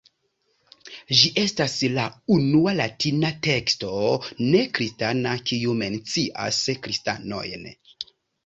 Ĝi estas la unua Latina teksto ne-kristana, kiu mencias kristanojn.